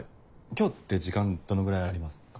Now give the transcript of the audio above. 今日って時間どのぐらいありますか？